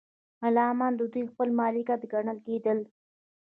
غلامان د دوی خپل مالکیت ګڼل کیدل.